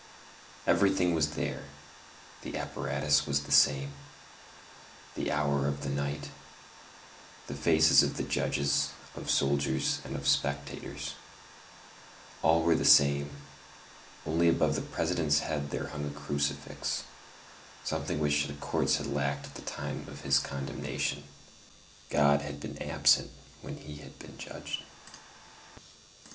Everything was there; the apparatus was the same, the hour of the night, the faces of the judges, of soldiers, and of spectators; all were the same, only above the President's head there hung a crucifix, something which the courts had lacked at the time of his condemnation: God had been absent when he had been judged.